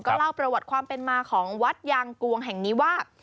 เล่าประวัติความเป็นมาของวัดยางกวงแห่งนี้ว่า